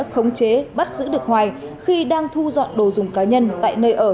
khống chế bắt giữ được hoài khi đang thu dọn đồ dùng cá nhân tại nơi ở để bỏ trốn